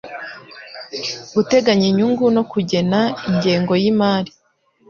guteganya inyungu no kugena ingengo y imari